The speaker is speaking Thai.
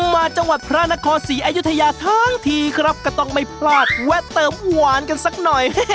มาจังหวัดพระนครศรีอยุธยาทั้งทีครับก็ต้องไม่พลาดแวะเติมหวานกันสักหน่อย